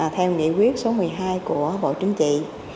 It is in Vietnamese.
theo nghị quyết số một mươi hai của bộ chính trị